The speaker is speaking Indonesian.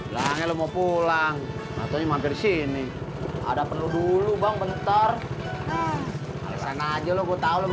sampai jumpa di video selanjutnya